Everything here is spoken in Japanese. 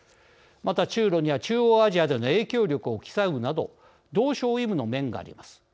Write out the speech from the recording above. また中ロには中央アジアでの影響力を競うなど同床異夢の面があります。